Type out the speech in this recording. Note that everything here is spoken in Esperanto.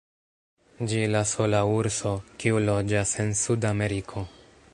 Ĝi la sola urso, kiu loĝas en Sudameriko.